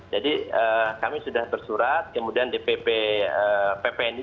jadi kami sudah bersurat kemudian di ppni